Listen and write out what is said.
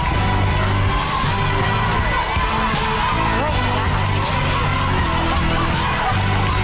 กล่อข้าวหลามใส่กระบอกภายในเวลา๓นาที